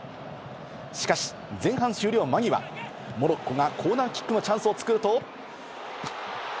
しかし前半終了間際、モロッコがコーナーキックのチャンスを作ると。